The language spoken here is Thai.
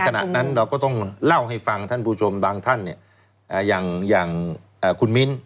ขณะนั้นเราก็ต้องเล่าให้ฟังท่านผู้ชมบางท่านอย่างคุณมิ้น